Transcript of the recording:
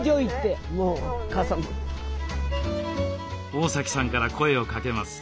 大崎さんから声をかけます。